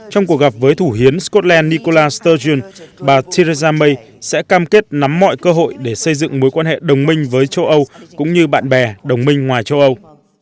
trong cuộc gặp với thủ hiến scotland nicola stogen bà terresamey sẽ cam kết nắm mọi cơ hội để xây dựng mối quan hệ đồng minh với châu âu cũng như bạn bè đồng minh ngoài châu âu